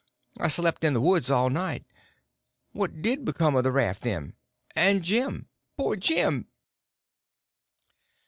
I slept in the woods all night. But what did become of the raft, then?—and Jim—poor Jim!"